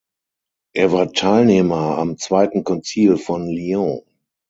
Er war Teilnehmer am Zweiten Konzil von Lyon.